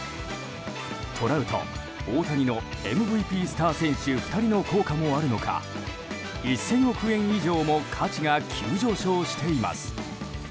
トラウト、大谷のＭＶＰスター選手２人の効果もあるのか１０００億円以上も価値が急上昇しています。